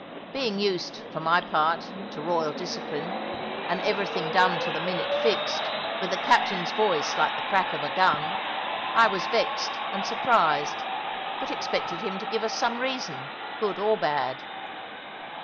Being used, for my part, to royal discipline, and everything done to the minute fixed, with the captain's voice like the crack of a gun, I was vexed and surprised; but expected him to give us some reason, good or bad.